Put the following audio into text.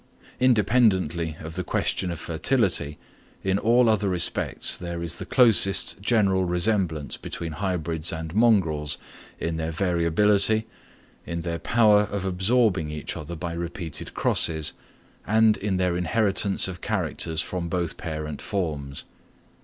Independently of the question of fertility, in all other respects there is the closest general resemblance between hybrids and mongrels, in their variability, in their power of absorbing each other by repeated crosses, and in their inheritance of characters from both parent forms.